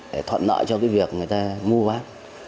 để thuận nợ cho cái việc người ta mua vác